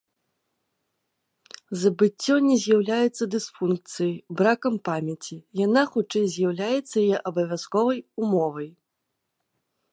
Забыццё не з'яўляецца дысфункцыяй, бракам памяці, яна хутчэй з'яўляецца яе абавязковай умовай.